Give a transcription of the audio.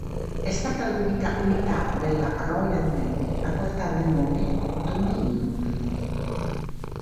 È stata l'unica unità della Royal Navy a portare il nome "Dominion".